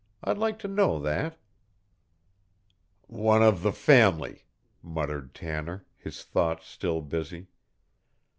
I'd like to know that." "One of the family," muttered Tanner, his thoughts still busy.